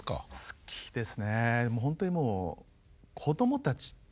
好きですね。